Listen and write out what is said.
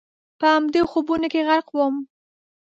په همدې خوبونو کې غرق ووم.